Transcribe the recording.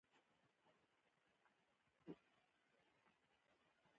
حضرت ابوبکر ص د رسول الله ص لمړی یار دی